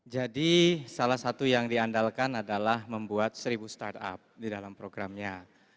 jadi salah satu yang diandalkan adalah membuat seribu startup di dalam programnya